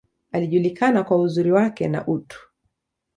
Alijulikana kwa uzuri wake, na utu.